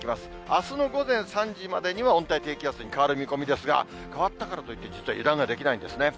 あすの午前３時までには、温帯低気圧に変わる見込みですが、変わったからといって、実は油断はできないんですね。